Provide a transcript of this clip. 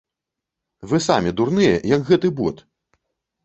Вы самі дурныя, як гэты бот!